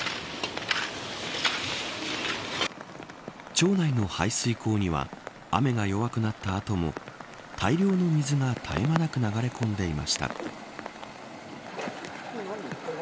町内の排水溝には雨が弱くなった後も大量の水が絶え間なく流れ込んでいました。